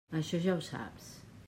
Això ja ho saps.